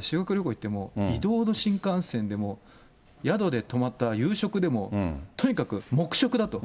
修学旅行行っても移動の新幹線でも、宿で泊まった夕食でも、とにかく黙食だと。